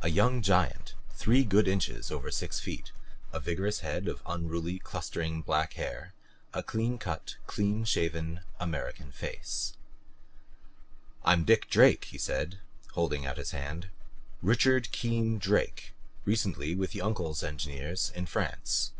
A young giant, three good inches over six feet, a vigorous head with unruly clustering black hair; a clean cut, clean shaven American face. "I'm Dick Drake," he said, holding out his hand. "Richard Keen Drake, recently with Uncle's engineers in France."